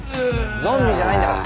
ゾンビじゃないんだから。